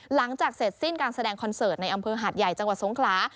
หลังจากเสร็จสิ้นการแสดงคอนเสิร์ตในอำเภอหาดใหญ่จังหวัดสงขลา